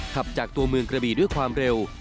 ขับจากตัวเมืองกระบีด้วยความเร็ว